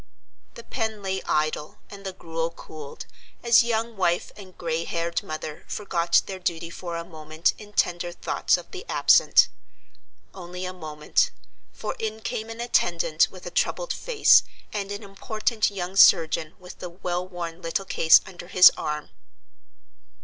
The pen lay idle, and the gruel cooled, as young wife and gray haired mother forgot their duty for a moment in tender thoughts of the absent. Only a moment, for in came an attendant with a troubled face, and an important young surgeon with the well worn little case under his arm.